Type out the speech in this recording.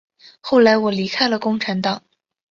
后来我离开了共产党。